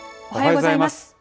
おはようございます。